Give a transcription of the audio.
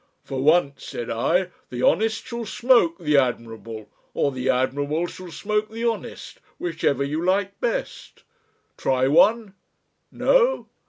"'For once,' said I, 'the honest shall smoke the admirable or the admirable shall smoke the honest,' whichever you like best. Try one? No?